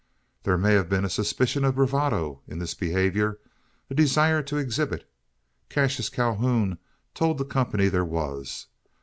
There may have been a suspicion of bravado in this behaviour a desire to exhibit. Cassius Calhoun told the company there was.